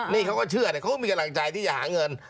นี่เขาก็เชื่อเขาก็มีกำลังใจที่จะหาเงิน